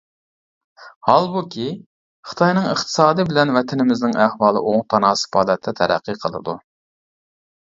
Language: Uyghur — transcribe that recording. ھالبۇكى، خىتاينىڭ ئىقتىسادى بىلەن ۋەتىنىمىزنىڭ ئەھۋالى ئوڭ تاناسىپ ھالەتتە تەرەققىي قىلىدۇ.